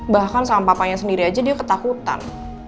bahkan sama papanya sendiri aja dia ketakutan